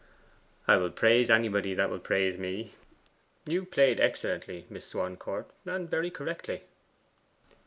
'I will praise anybody that will praise me. You played excellently, Miss Swancourt, and very correctly.